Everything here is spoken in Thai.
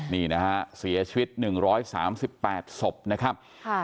นี่นะฮะเสียชีวิต๑๓๘ศพนะครับ